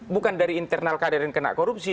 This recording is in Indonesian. bukan dari internal kader yang kena korupsi